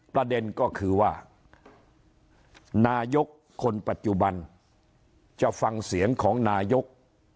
ประเด็นก็คือว่านายกคนปัจจุบันจะฟังเสียงของนายก